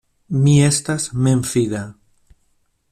Mi estas memfida.